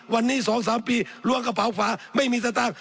วันนี้๒๓ปีรั่วกระเป๋าฟ้าไม่มีสะตาก